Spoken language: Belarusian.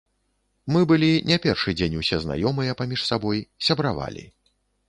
Мы былі не першы дзень усе знаёмыя паміж сабой, сябравалі.